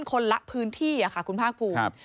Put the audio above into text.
คนละพื้นที่ค่ะคุณภาคภูมิ